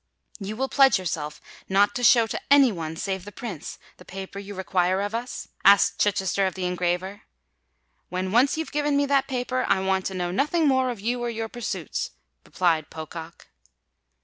"You will pledge yourself not to show to any one, save the Prince, the paper you require of us?" asked Chichester of the engraver. "When once you've given me that paper, I want to know nothing more of you or your pursuits," replied Pocock.